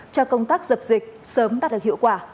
cho công tác dập dịch sớm đạt được hiệu quả